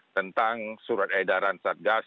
tentang surat edaran saat gas